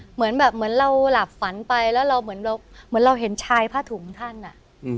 เหมือนแบบเหมือนเราหลับฝันไปแล้วเหมือนเราเห็นชายผ้าถุงท่านอะ